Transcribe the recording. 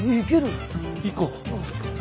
行こう。